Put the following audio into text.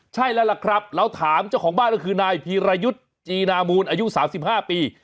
ใช่แล้วล่ะครับเราถามเจ้าของบ้านก็คือนายพีรยุทธ์จีนามูลอายุ๓๕ปี